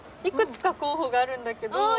いくつか候補があるんだけど。